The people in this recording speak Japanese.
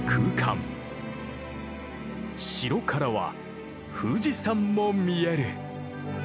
城からは富士山も見える。